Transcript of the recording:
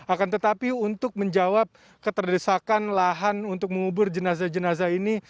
akan tetapi untuk menjawab keterdesakan lahan untuk mengubur jenazah jenazah ini